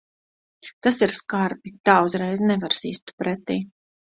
Tas ir skarbi. Tā uzreiz nevar sist pretī.